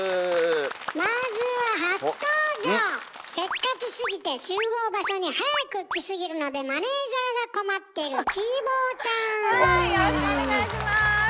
まずはせっかちすぎて集合場所に早く来すぎるのでマネージャーが困ってるはいよろしくお願いします。